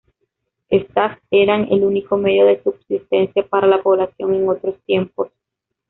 Éstas eran el único medio de subsistencia para la población en otros tiempos.